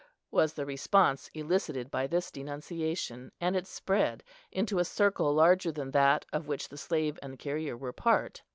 was the response elicited by this denunciation, and it spread into a circle larger than that of which the slave and the carrier were part.